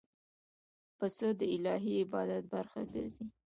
پسه د الهی عبادت برخه ګرځي.